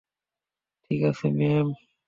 ঠিক আছে, ম্যাম।